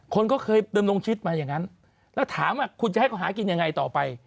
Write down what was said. คนก็เคยดำรงชีวิตมาอย่างนั้นแล้วถามว่าคุณจะให้เขาหากินยังไงต่อไป